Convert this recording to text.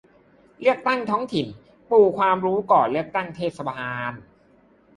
เลือกตั้งท้องถิ่น : ปูความรู้ก่อนเลือกตั้งเทศบาล